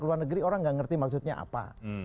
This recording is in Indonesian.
karena di luar negeri orang nggak ngerti maksudnya apa